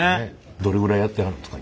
どれぐらいやってはるんですか？